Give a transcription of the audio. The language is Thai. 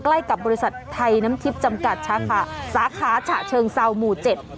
ใกล้กับบริษัทไทยน้ำทิพย์จำกัดสาขาสาขาฉะเชิงเซาหมู่เจ็ด